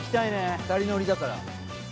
２人乗りだから。